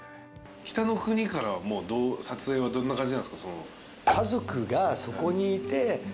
『北の国から』は撮影はどんな感じなんですか？